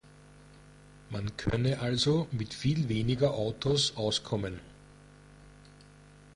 Man könne also mit viel weniger Autos auskommen.